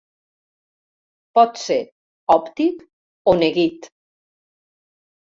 Pot ser òptic o neguit.